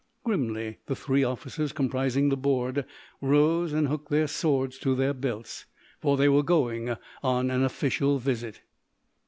Grimly the three officers comprising the board rose and hooked their swords to their belts, for they were going on an official visit.